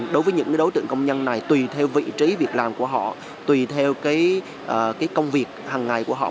đối với những đối tượng công nhân này tùy theo vị trí việc làm của họ tùy theo công việc hằng ngày của họ